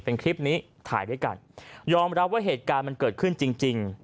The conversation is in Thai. เป็นคลิปนี้ถ่ายด้วยกันยอมรับว่าเหตุการณ์มันเกิดขึ้นจริงจริง